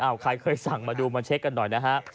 เอาใครเคยสั่งมาดูมาเช็คกันหน่อยนะฮะ